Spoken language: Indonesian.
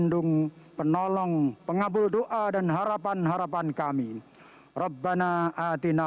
dengan penuh semangat